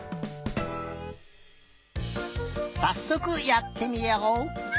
さっそくやってみよう！